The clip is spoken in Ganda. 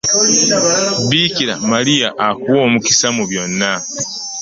Biikira Maria akuwe omukisa mu byonna.